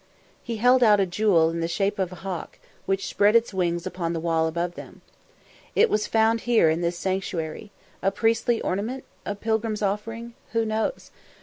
He held out a jewel in the shape of the Hawk which spread its wings upon the wall above them. "It was found here, in this sanctuary a priestly ornament? a pilgrim's offering? Who knows?